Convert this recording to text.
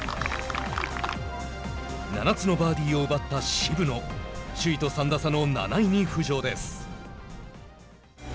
７つのバーディーを奪った渋野首位と３打差の７位に浮上です。